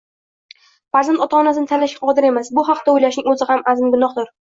Farzand ota-onani tanlashga qodir emas, bu haqida o`ylashning o’zi azmi gunohdir